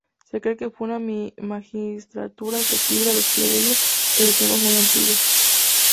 Se cree que fue una magistratura accesible a los plebeyos desde tiempos muy antiguos.